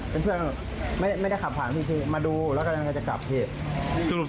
เป็นเพื่อนไม่ได้ขับผ่านพี่มาดูแล้วกำลังจะกลับเหตุ